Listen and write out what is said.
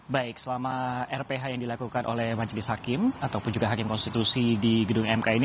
baik selama rph yang dilakukan oleh majelis hakim ataupun juga hakim konstitusi di gedung mk ini